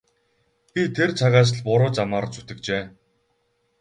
Би тэр цагаас л буруу замаар зүтгэжээ.